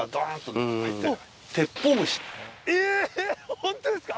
本当ですか？